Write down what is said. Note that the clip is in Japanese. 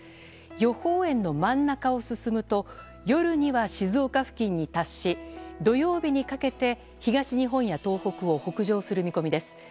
予報円の真ん中を進むと夜には静岡付近に達し土曜日にかけて東日本や東北を北上する見込みです。